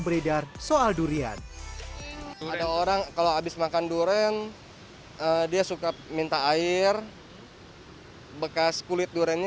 beredar soal durian ada orang kalau habis makan durian dia suka minta air bekas kulit duriannya